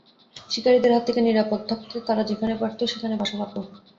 শিকারিদের হাত থেকে নিরাপদ থাকতে তারা যেখানে পারত সেখানে বাসা বাঁধত।